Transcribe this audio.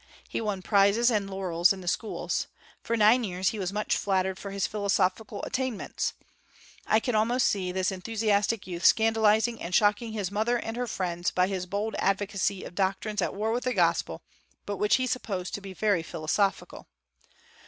He won prizes and laurels in the schools. For nine years he was much flattered for his philosophical attainments. I can almost see this enthusiastic youth scandalizing and shocking his mother and her friends by his bold advocacy of doctrines at war with the gospel, but which he supposed to be very philosophical.